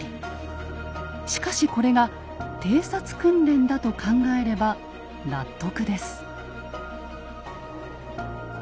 しかしこれが偵察訓練だと考えれば納得です。